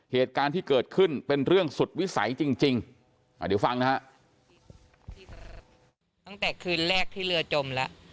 เหตุการณ์ที่เกิดขึ้นเป็นเรื่องสุดวิสัยจริงจริงมาดิวฟังนะฮะ